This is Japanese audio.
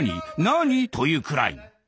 「何？」というくらいの。